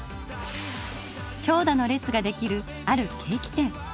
長蛇の列ができるあるケーキ店。